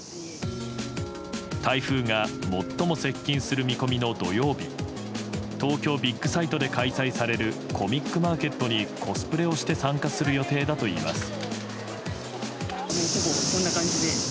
台風が最も接近する見込みの土曜日東京ビッグサイトで開催されるコミックマーケットにコスプレをして参加する予定だといいます。